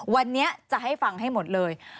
วันนี้จะให้ฟังให้หมดเลย